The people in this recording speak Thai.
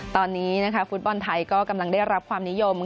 ตอนนี้ฟุตบอลไทยก็กำลังได้รับความนิยม